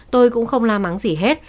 tôi cũng không la mắng gì hết